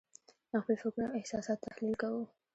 خپل فکرونه او احساسات تحلیل کوو.